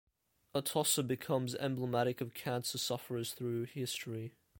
Atossa becomes emblematic of cancer sufferers through history.